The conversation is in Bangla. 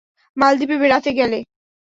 মালদ্বীপে বেড়াতে গেলে।